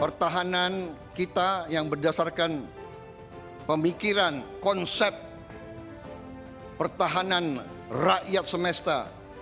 pertahanan kita yang berdasarkan pemikiran konsep pertahanan rakyat semesta